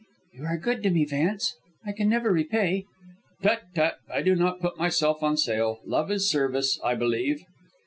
"You are good to me, Vance. I can never repay " "Tut! tut! I do not put myself on sale. Love is service, I believe."